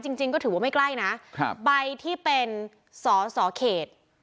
จริงก็ถือว่าไม่ใกล้นะใบที่เป็นสอสอเขต